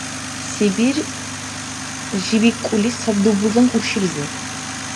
Сибирь жибикӀули саб дубурлан уршилизи.